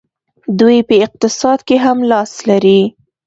دوی په اقتصاد کې هم لاس لري.